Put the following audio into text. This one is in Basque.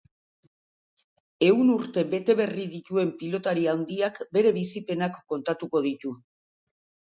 Ehun urte bete berri dituen pilotari handiak bere bizipenak kontatuko ditu.